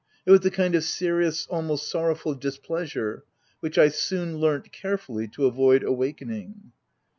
It was a kind of serious, almost sorrowful dis pleasure, which I soon learnt carefully to avoid awakening.